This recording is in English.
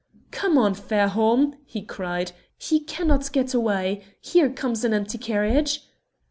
"Come on, Fairholme!" he cried. "He cannot get away! Here comes an empty carriage!"